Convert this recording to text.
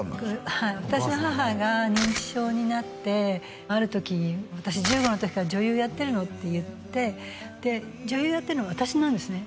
はい私の母が認知症になってある時に「私１５の時から女優やってるの」って言ってで女優やってるのは私なんですね